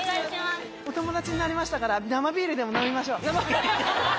お友達になりましたから生ビールでも飲みましょう。